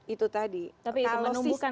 itu tadi tapi itu menumbuhkan ketangguhan